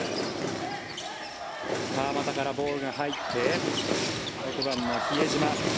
川真田からボールが入って６番の比江島。